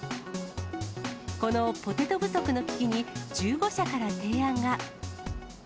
このポテト不足の危機に、１５社から提案が。